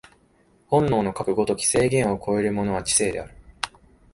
本能のかくの如き制限を超えるものは知性である。